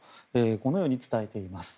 このように伝えています。